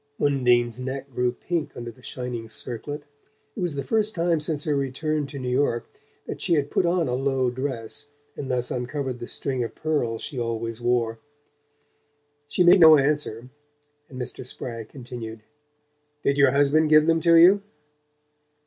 Undine's neck grew pink under the shining circlet. It was the first time since her return to New York that she had put on a low dress and thus uncovered the string of pearls she always wore. She made no answer, and Mr. Spragg continued: "Did your husband give them to you?"